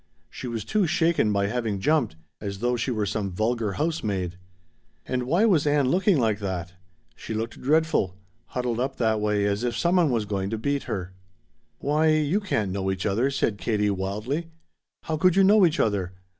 She was too shaken by having jumped as though she were some vulgar housemaid! And why was Ann looking like that! She looked dreadful huddled up that way as if some one was going to beat her! "Why you can't know each other," said Katie wildly. "How could you know each other?